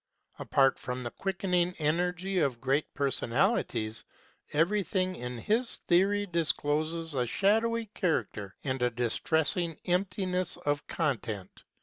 Apart from the quicken ing energy of great personalities, everything in his theory discloses a shadowy character and a distressing emptiness of content.